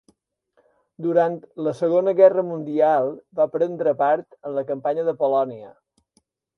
Durant la Segona Guerra Mundial va prendre part en la Campanya de Polònia.